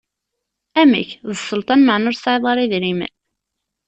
Amek, d sselṭan meɛna ur tesɛiḍ ara idrimen?